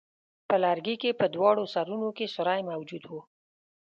په لرګي کې په دواړو سرونو کې سوری موجود وو.